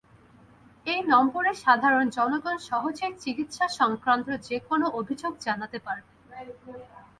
এই নম্বরে সাধারণ জনগণ সহজেই চিকিৎসা সংক্রান্ত যে কোনো অভিযোগ জানাতে পারবেন।